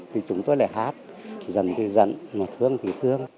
thì chúng tôi lại hát giận thì giận mà thương thì thương